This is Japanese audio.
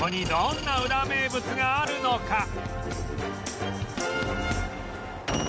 またウラ名物があるのか。